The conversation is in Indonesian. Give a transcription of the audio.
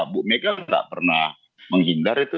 bu megal tidak pernah menghindar itu